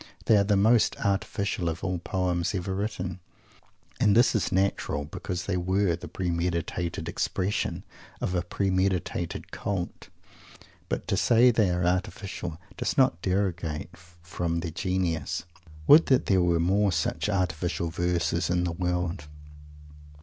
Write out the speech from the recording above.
They are the most artificial of all poems ever written. And this is natural, because they were the premeditated expression of a premeditated cult. But to say they are artificial does not derogate from their genius. Would that there were more such "artificial" verses in the world!